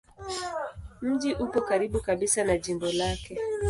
Mji upo karibu kabisa na jimbo lake.